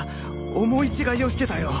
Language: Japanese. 思い違いをしてたよ。